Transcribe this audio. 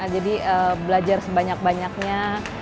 jadi belajar sebanyak banyaknya